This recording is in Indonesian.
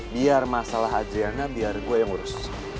biar masalah adriana biar gue yang ngurus